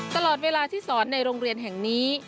ตลอดเวลาที่สอนในโรงเรียนแห่งนี้